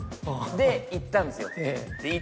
で行ったんですよ。